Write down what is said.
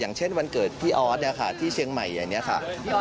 เช่นวันเกิดพี่ออสที่เชียงใหม่อย่างนี้ค่ะ